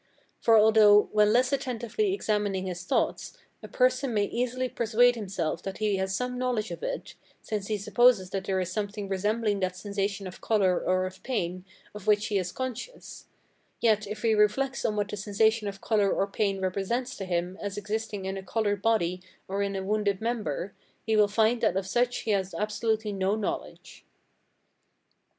For although, when less attentively examining his thoughts, a person may easily persuade himself that he has some knowledge of it, since he supposes that there is something resembling that sensation of colour or of pain of which he is conscious; yet, if he reflects on what the sensation of colour or pain represents to him as existing in a coloured body or in a wounded member, he will find that of such he has absolutely no knowledge.